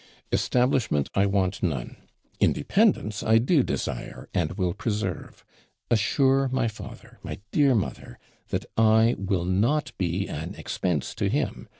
'Establishment, I want none independence I do desire, and will preserve. Assure my father, my DEAR MOTHER, that I will not be an expense to him.